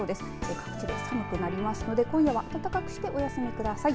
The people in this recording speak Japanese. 各地寒くなりますので、今夜は暖かくしてお休みください。